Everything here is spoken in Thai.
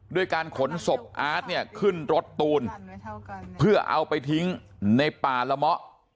ด้วยการขนศพอาร์ตเนี่ยขึ้นรถตูนเพื่อเอาไปทิ้งในป่าละเมาะ